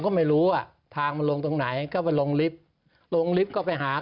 อายุเท่าไรประมาณ๕๐ประมาณ